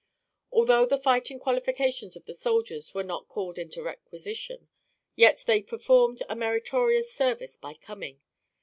Although the fighting qualifications of the soldiers were not called into requisition, yet, they performed a meritorious service by coming.